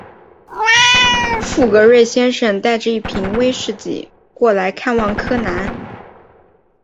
富格瑞先生带着一瓶威士忌过来看望柯南。